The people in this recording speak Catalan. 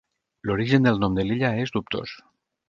L'origen del nom de l'illa és dubtós.